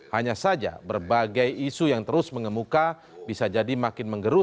hanya saja berbagai isu yang terus mengemuka bisa jadi makin menggerus